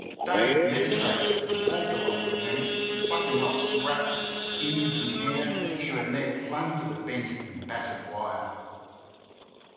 Dave meditated and walked along the fence, plucking off scraps of skin and hair that here and there clung to the bent and battered wire.